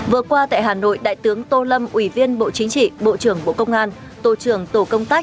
vừa qua tại hà nội đại tướng tô lâm ủy viên bộ chính trị bộ trưởng bộ công an tổ trưởng tổ công tác